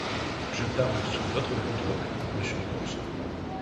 Je parle sous votre contrôle, monsieur de Courson.